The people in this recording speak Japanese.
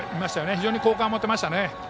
非常に好感が持てましたね。